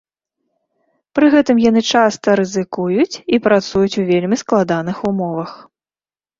Пры гэтым яны часта рызыкуюць і працуюць у вельмі складаных умовах.